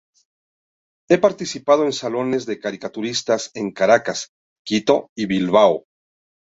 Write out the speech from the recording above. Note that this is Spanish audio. Ha participado en Salones de Caricaturistas en Caracas, Quito, y Bilbao.